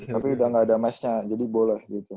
tapi udah gak ada massnya jadi boleh gitu